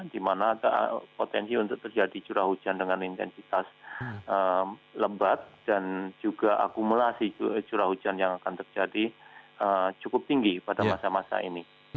di mana potensi untuk terjadi curah hujan dengan intensitas lembat dan juga akumulasi curah hujan yang akan terjadi cukup tinggi pada masa masa ini